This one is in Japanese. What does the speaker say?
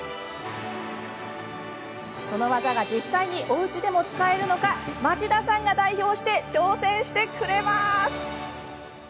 その技が実際におうちでも使えるのか町田さんが代表して挑戦してくれます！